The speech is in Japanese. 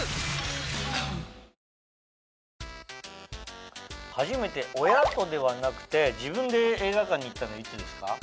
雨が初めて親とではなくて自分で映画館に行ったのいつですか？